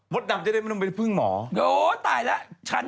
ดำจะได้ไม่ต้องไปพึ่งหมอโอ้ตายแล้วฉัน